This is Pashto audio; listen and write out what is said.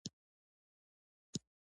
سړی هغه څوک دی چې د انصاف پلوي کوي.